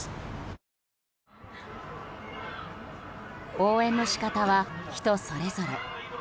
応援の仕方は人それぞれ。